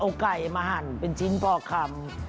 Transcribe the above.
เอาไก่มาหั่นเป็นชิ้นปอกคำ